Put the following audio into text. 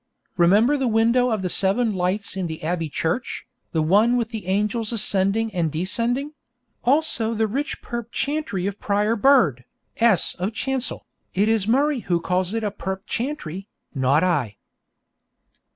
Remember the window of the seven lights in the Abbey Church, the one with the angels ascending and descending; also the rich Perp. chantry of Prior Bird, S. of chancel. It is Murray who calls it a Perp. chantry, not I.